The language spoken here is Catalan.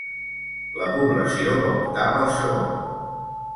La població va optar pel segon.